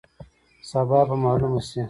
سبا به معلومه شي.